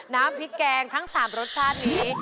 น้ำพริกแกงทั้ง๓รสชาตินี้